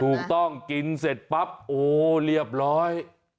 ถูกต้องกินเสร็จปั๊บโอ้เรียบร้อย